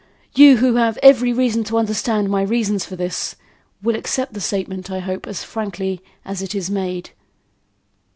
You who have every reason to understand my reasons for this, will accept the statement, I hope, as frankly as it is made."